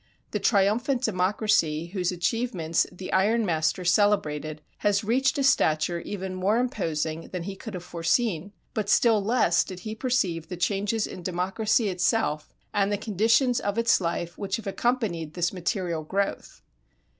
The "Triumphant Democracy" whose achievements the iron master celebrated has reached a stature even more imposing than he could have foreseen; but still less did he perceive the changes in democracy itself and the conditions of its life which have accompanied this material growth.